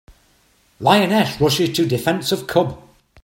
Lioness Rushes to Defense of Cub.